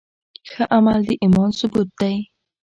ښه عمل د ایمان ثبوت دی.